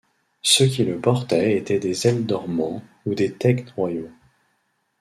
Ceux qui le portaient étaient des Ealdormen ou des Thegns royaux.